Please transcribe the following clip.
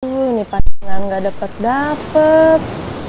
aduh ini panengan gak deket dapet